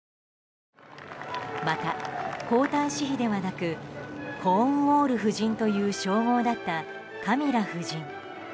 また、皇太子妃ではなくコーンウォール夫人という称号だったカミラ夫人。